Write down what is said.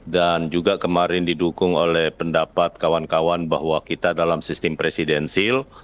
dan juga kemarin didukung oleh pendapat kawan kawan bahwa kita dalam sistem presidensil